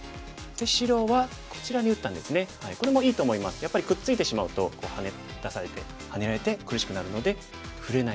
やっぱりくっついてしまうとハネ出されてハネられて苦しくなるので触れない。